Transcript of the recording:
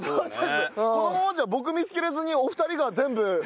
このままじゃ僕見つけられずにお二人が全部収穫して。